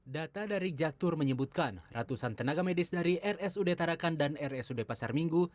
data dari jaktur menyebutkan ratusan tenaga medis dari rsud tarakan dan rsud pasar minggu